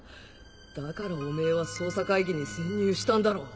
だからおめぇは捜査会議に潜入したんだろ？